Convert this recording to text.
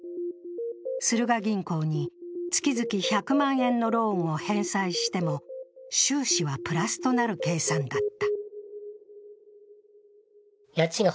スルガ銀行に月々１００万円のローンを返済しても収支はプラスとなる計算だった。